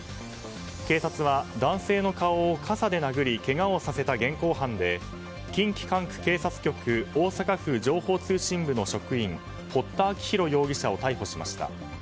警察は、男性の顔を傘で殴りけがをさせた現行犯で近畿管区局大阪府情報通信部の職員堀田晶弘容疑者を逮捕しました。